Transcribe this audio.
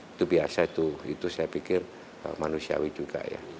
itu biasa itu itu saya pikir manusiawi juga ya